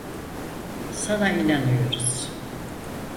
Sana inanıyoruz.